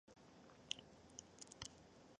经营一间小店